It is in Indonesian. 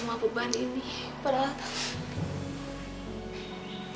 kenapa satria yang harus disingkirkan